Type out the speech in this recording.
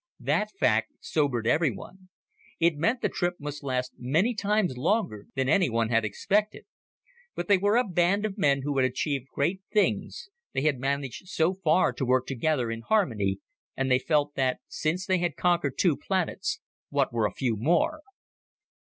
That fact sobered everyone. It meant the trip must last many times longer than anyone had expected. But they were a band of men who had achieved great things they had managed so far to work together in harmony, and they felt that since they had conquered two planets what were a few more?